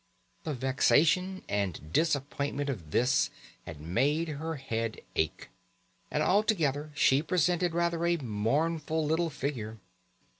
The vexation and disappointment of this had made her head ache, and altogether she presented rather a mournful little figure.